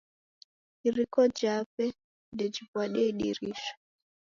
Iriko jape ndejiw'adie idirisha!